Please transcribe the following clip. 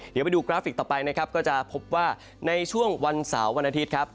เดี๋ยวไปดูกราฟิกต่อไปนะครับก็จะพบว่าในช่วงวันเสาร์วันอาทิตย์ครับ